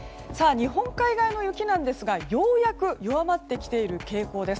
日本海側の雪ですがようやく弱まってきている傾向です。